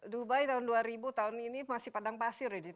dubai tahun dua ribu tahun ini masih padang pasir ya